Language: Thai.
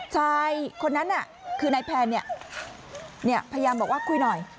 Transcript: ชายคนนั้นคือนายแพนพยายามบอกว่าคุยหน่อย